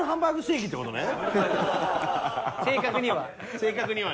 正確には。